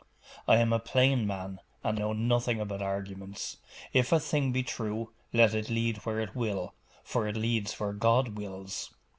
'I am a plain man, and know nothing about arguments. If a thing be true, let it lead where it will, for it leads where God wills.